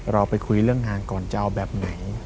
เราไปคุยเรื่องงานก่อนจะเอาแบบไหน